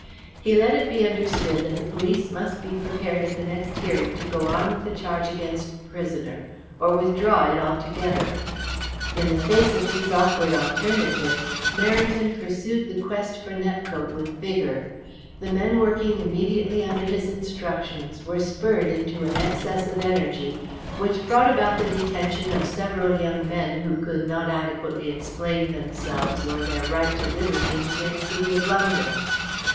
He let it be understood that the police must be prepared at the next hearing to go on with the charge against the prisoner or withdraw it altogether. In the face of these awkward alternatives, Merrington pursued the quest for Nepcote with vigour. The men working immediately under his instructions were spurred into an excess of energy which brought about the detention of several young men who could not adequately explain themselves or their right to liberty in the great city of London.